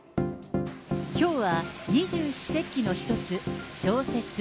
きょうは二十四節気の一つ、小雪。